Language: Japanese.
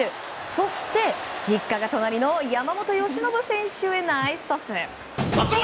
そして実家が隣の山本由伸選手へナイスパス！